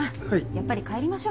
やっぱり帰りましょう。